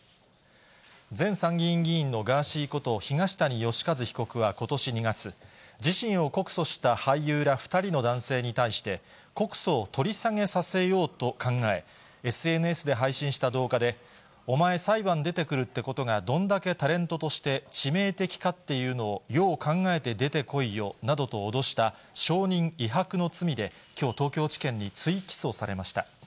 前参議院議員のガーシーこと東谷義和被告はことし２月、自身を告訴した俳優ら２人の男性に対して、告訴を取り下げさせようと考え、ＳＮＳで配信した動画で、お前、裁判出てくるということがどんだけタレントとして致命的かっていうのをよう考えて出てこいよなどと脅した、証人威迫の罪で、きょう東京地検に追起訴されました。